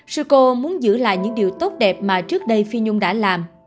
sư cô muốn giữ lại những điều tốt đẹp mà trước đây phi nhung đã làm